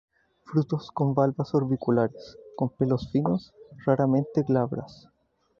Frutos con valvas orbiculares, con pelos finos, raramente glabras.